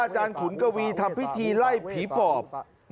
อาจารย์ขุนกวีทำพิธีไล่ผีปอบ